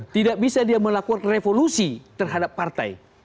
tidak bisa dia melakukan revolusi terhadap partai